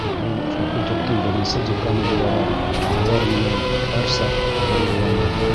Мин, факультеттың беренсе деканы булараҡ, улар менән һәр саҡ ғорурланам.